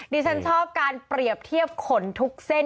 ดิฉันชอบการเปรียบเทียบขนทุกเส้น